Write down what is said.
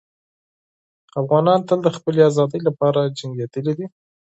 افغانان تل د خپلې ازادۍ لپاره جنګېدلي دي.